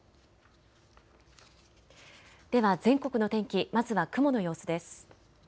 では全国の天気、まずは雲の様子です。